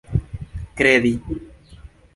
kredi